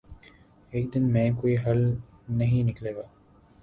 ایک دن میں کوئی حل نہیں نکلے گا۔